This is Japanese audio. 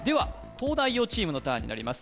東大王チームのターンになります